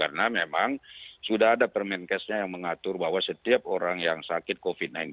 karena memang sudah ada permenkesnya yang mengatur bahwa setiap orang yang sakit covid sembilan belas